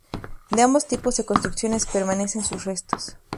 De ambos tipos de construcciones permanecen sus restos.